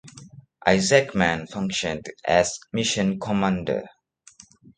Isaacman functioned as mission commander.